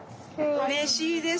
うれしいです。